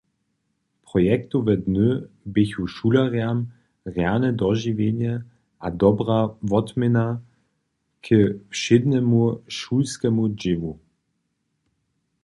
Projektowe dny běchu šulerjam rjane dožiwjenje a dobra wotměna k wšědnemu šulskemu dźěłu.